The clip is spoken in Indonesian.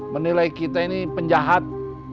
menilai kita ini penjahat